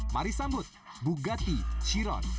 mari sambut bugatti chiron